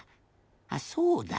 あっそうだ。